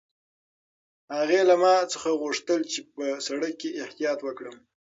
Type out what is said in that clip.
هغې له ما نه وغوښتل چې په سړک کې احتیاط وکړم.